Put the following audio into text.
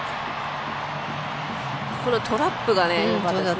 トラップがよかったです。